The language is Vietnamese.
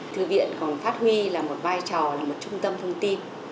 thư viện còn phát huy là một vai trò là một trung tâm thông tin